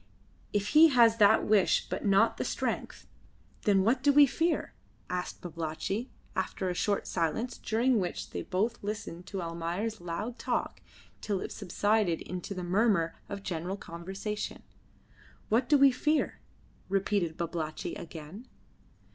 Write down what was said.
"If he has the wish but not the strength, then what do we fear?" asked Babalatchi, after a short silence during which they both listened to Almayer's loud talk till it subsided into the murmur of general conversation. "What do we fear?" repeated Babalatchi again.